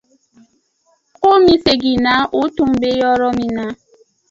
Komi seginna u tun bɛ yɔrɔ min na.